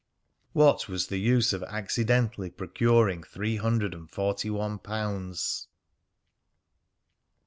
What was the use of accidentally procuring three hundred and forty one pounds?